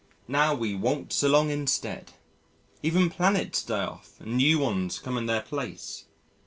Now we waltz along instead. Even planets die off and new ones come in their place.